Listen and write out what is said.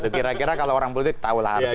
kira kira kalau orang politik tahulah artinya itu